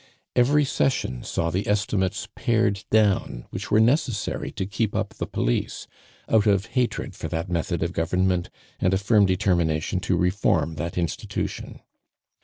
Every session saw the estimates pared down which were necessary to keep up the police, out of hatred for that method of government and a firm determination to reform that institution.